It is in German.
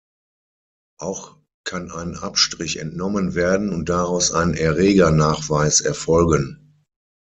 Auch kann ein Abstrich entnommen werden und daraus ein Erregernachweis erfolgen.